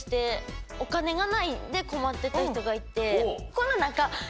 んで困ってた人がいて。